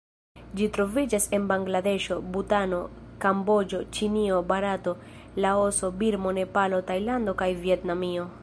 Ĝi troviĝas en Bangladeŝo, Butano, Kamboĝo, Ĉinio, Barato, Laoso, Birmo, Nepalo, Tajlando kaj Vjetnamio.